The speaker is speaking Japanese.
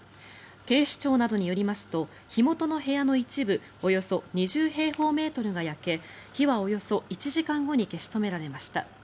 警視庁などによりますと火元の部屋の一部およそ２０平方メートルが焼け火はおよそ１時間後に消し止められました。